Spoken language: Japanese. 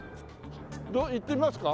行ってみますか？